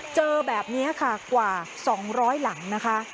เจอแบบนี้ค่ะกว่า๒๐๐หลังนะคะ